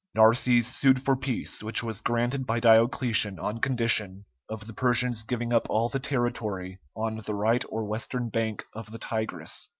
Narses sued for peace, which was granted by Diocletian on condition of the Persians giving up all the territory on the right or western bank of the Tigris.